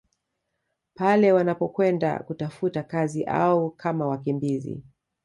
Pale wanapokwenda kutafuta kazi au kama wakimbizi